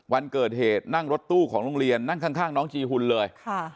วันเกิดเหตุนั่งรถตู้ของโรงเรียนนั่งข้างน้องจีหุ่นเลย